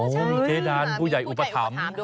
มีเจ๊ดันผู้ใหญ่อุปถัมฯ